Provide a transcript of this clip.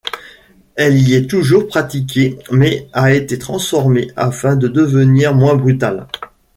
Elle y est toujours pratiquée mais a été transformée afin de devenir moins brutale.